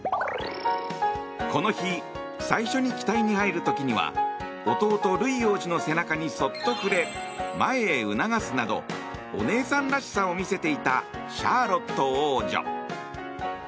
この日、最初に機体に入る時には弟ルイ王子の背中にそっと触れ前へ促すなどお姉さんらしさを見せていたシャーロット王女。